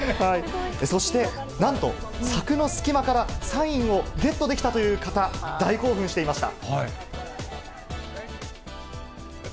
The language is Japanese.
そして、なんと、柵の隙間からサインをゲットできたという方、大興奮していました。